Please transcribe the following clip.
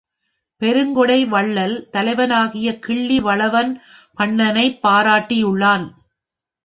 பெருங்கொடை வள்ளல் தலைவனாகிய கிள்ளி வளவன் பண்ணனைப் பாராட்டியுள்ளான்.